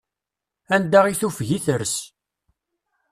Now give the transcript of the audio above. Anda i tufeg i tres.